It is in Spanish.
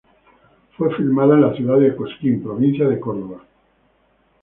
Fue filmada en la ciudad de Cosquín, provincia de Córdoba.